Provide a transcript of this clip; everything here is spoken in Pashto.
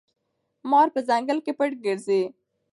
مار په ځنګل کې پټ ګرځي.